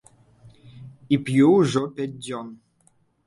І п'ю ўжо пяць дзён.